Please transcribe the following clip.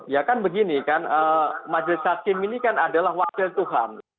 ya kan begini kan majelis hakim ini kan adalah wakil tuhan